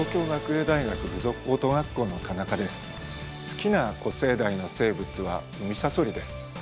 好きな古生代の生物はウミサソリです。